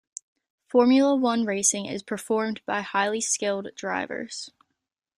Formula one racing is performed by highly skilled drivers.